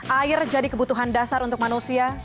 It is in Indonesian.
air jadi kebutuhan dasar untuk manusia